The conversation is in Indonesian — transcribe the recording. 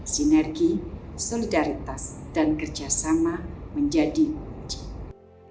sinergi solidaritas dan kerjasama menjadi kunci